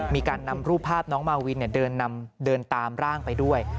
มีการนำรูปภาพน้องมาวินเดินตามร่างไปด้วย